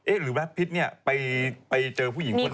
เอ๊ะหรือบ๊าดพิชเนี่ยไปเจอผู้หญิงคนใหม่